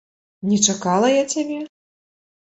Не чакала я цябе?